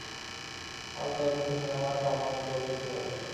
আজ রাতে, তুমি আমার সম্মানিত অতিথি হবে।